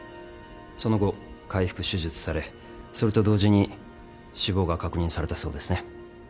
その後開腹手術されそれと同時に死亡が確認されたそうですね。